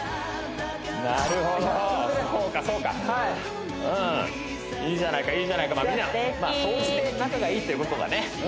なるほどそうかそうかはいいいじゃないかいいじゃないかみんな総じて仲がいいということだね